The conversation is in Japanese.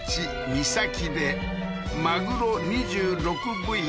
三崎でマグロ２６部位